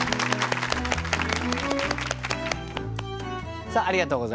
さあありがとうございます。